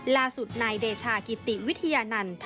ล่าสุดนายเดชากิติวิทยานันต์